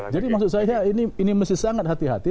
jadi maksud saya ini mesti sangat hati hati